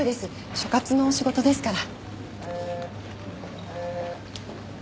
所轄の仕事ですから。